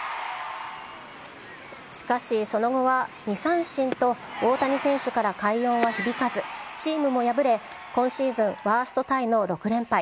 しかし、その後は２三振と大谷選手から快音は響かず、チームも敗れ、今シーズンワーストタイの６連敗。